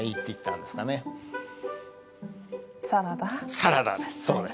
サラダです。